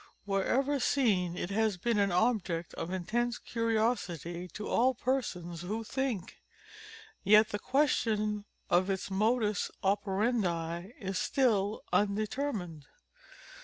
Wherever seen it has been an object of intense curiosity, to all persons who think. Yet the question of its modus operandi is still undetermined.